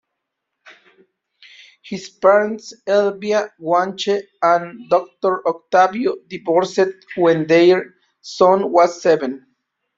His parents, Elvia Guanche and Doctor Octavio, divorced when their son was seven.